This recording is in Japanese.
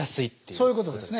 そういうことですね。